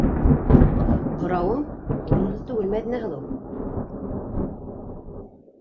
Һорауың... урынһыҙ түгел, Мәҙинә һылыу.